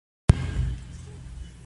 خو داسې نښې پیدا شوې چې د زوال خبرتیا وه.